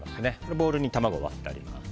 ボウルに卵を割ってあります。